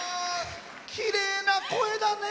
きれいな声だね。